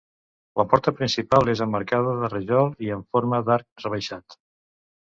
La porta principal és emmarcada de rajol i amb forma d'arc rebaixat.